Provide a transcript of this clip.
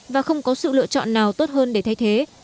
và không có sự lựa chọn nào tốt hơn để thay thế